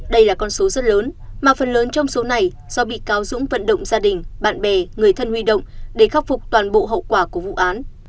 đây là con số rất lớn mà phần lớn trong số này do bị cáo dũng vận động gia đình bạn bè người thân huy động để khắc phục toàn bộ hậu quả của vụ án